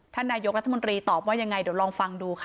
ท่านนายกรัฐมนตรีตอบว่ายังไงเดี๋ยวลองฟังดูค่ะ